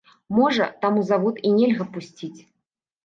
Можа, таму завод і нельга пусціць?